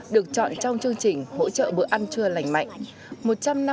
được chọn trong chương trình hỗ trợ bữa ăn trưa lành mạnh